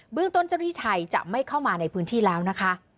เรื่องต้นเจ้าหน้าที่ไทยจะไม่เข้ามาในพื้นที่แล้วนะคะ